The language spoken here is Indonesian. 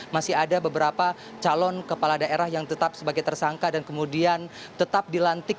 masih ada beberapa calon kepala daerah yang tetap sebagai tersangka dan kemudian tetap dilantik